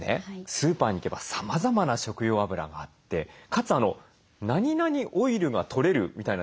スーパーに行けばさまざまな食用あぶらがあってかつなになにオイルがとれるみたいなですね